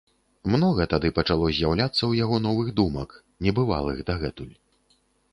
Многа тады пачало з'яўляцца ў яго новых думак, небывалых дагэтуль.